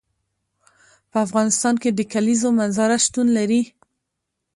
په افغانستان کې د کلیزو منظره شتون لري.